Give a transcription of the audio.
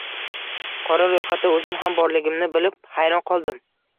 Qora ro`yxatda o`zim ham borligimni bilib, hayron qoldim